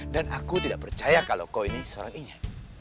dan aku tidak percaya kalau kau ini seorang inye